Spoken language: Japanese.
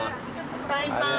バイバイ。